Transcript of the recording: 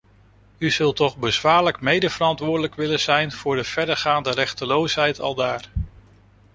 U zult toch bezwaarlijk medeverantwoordelijk willen zijn voor de verregaande rechteloosheid aldaar?